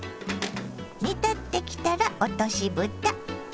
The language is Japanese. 煮立ってきたら落としぶた。